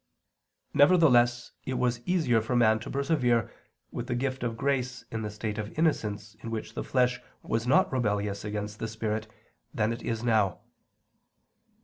Nevertheless it was easier for man to persevere, with the gift of grace in the state of innocence in which the flesh was not rebellious against the spirit, than it is now.